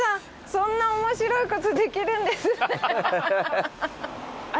そんな面白いことできる。